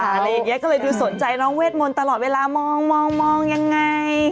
ยันเนี่ยก็เลยดูสนใจน้องเวทมนต์ตลอดเวลามองยังไง